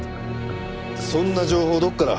そんな情報どこから？